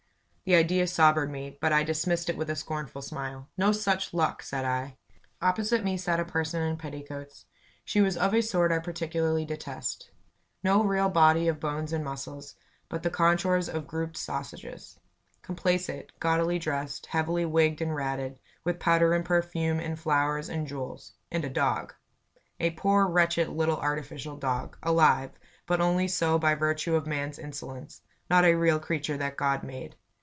The idea sobered me, but I dismissed it with a scornful smile. "No such luck!" said I. Opposite me sat a person in petticoats. She was of a sort I particularly detest. No real body of bones and muscles, but the contours of grouped sausages. Complacent, gaudily dressed, heavily wigged and ratted, with powder and perfume and flowers and jewels and a dog. A poor, wretched, little, artificial dog alive, but only so by virtue of man's insolence; not a real creature that God made.